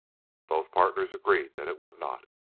Both partners agreed that it would not.